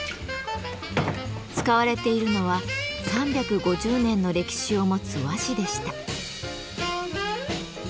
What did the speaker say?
使われているのは３５０年の歴史を持つ和紙でした。